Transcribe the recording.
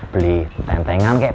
beli tentengan kek